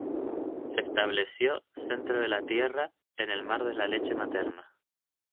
Se estableció centro de la tierra, en el mar de la leche materna.